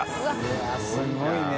いやっすごいね。